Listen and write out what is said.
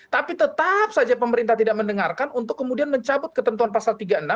tapi tetap saja pemerintah tidak mendengarkan untuk kemudian mencabut ketentuan pasal tiga puluh enam